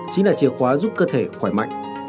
chính là chìa khóa giúp cơ thể khỏe mạnh